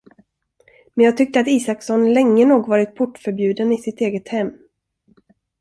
Men jag tyckte att Isaksson länge nog varit portförbjuden i sitt eget hem.